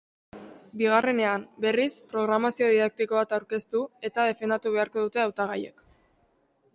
Bigarrenean, berriz, programazio didaktiko bat aurkeztu eta defendatu beharko dute hautagaiek.